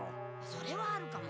それはあるかも。